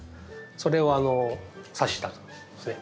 それをさしたんですね。